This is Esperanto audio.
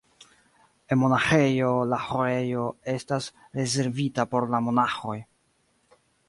En monaĥejoj la ĥorejo estas rezervita por la monaĥoj.